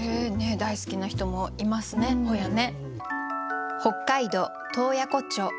大好きな人もいますね海鞘ね。